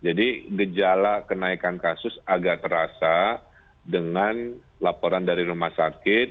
gejala kenaikan kasus agak terasa dengan laporan dari rumah sakit